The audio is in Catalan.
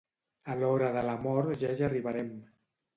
A l'hora de la mort ja hi arribarem.